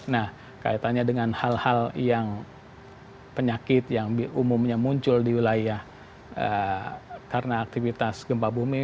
nah kaitannya dengan hal hal yang penyakit yang umumnya muncul di wilayah karena aktivitas gempa bumi